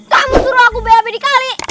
kamu suruh aku bab di kali